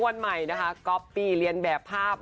วันใหม่นะคะก๊อปปี้เรียนแบบภาพ